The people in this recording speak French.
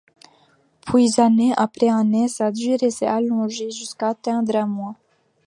Puis années après années, sa durée s'est allongée jusqu'à atteindre un mois.